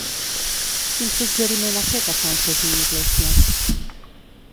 Quin suggeriment ha fet a Sánchez i Iglesias?